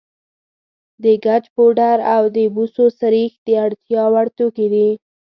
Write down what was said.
د ګچ پوډر او د بوسو سريښ د اړتیا وړ توکي دي.